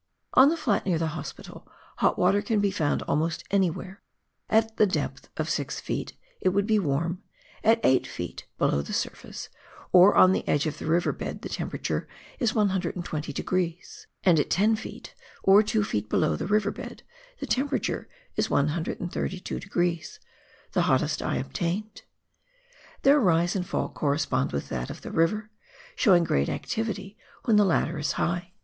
On the flat near the Hospital, hot water can be found almost anywhere ; at the depth of six feet it would be warm ; at eight feet below the surface or on the edge of the river bed the temperature is 120°, and at ten feet, or two feet below the river bed, the temperature is 130°, ihe hottest I obtained. Their rise and fall correspond with that of the river, showing great activity when the latter is high.